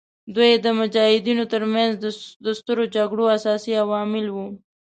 دوی د مجاهدینو تر منځ د سترو جګړو اساسي عوامل وو.